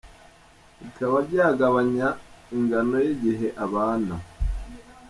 bikaba byagabanya ingano y'igihe abana